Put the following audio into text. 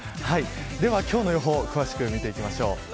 では今日の予報詳しく見ていきましょう。